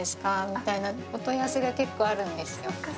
みたいなお問い合わせが結構あるんですよ。